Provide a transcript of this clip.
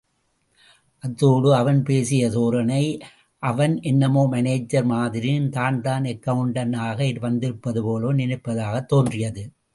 அதோடு, அவன் பேசிய் தோரணை, அவன் என்னமோ மானேஜர் மாதிரியும், தான்தான் அக்கெளண்டண்டாக வந்திருப்பது போலவும் நினைப்பதாகத் தோன்றியது.